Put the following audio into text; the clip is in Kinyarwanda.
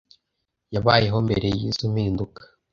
yabayeho mbere y izo mpinduka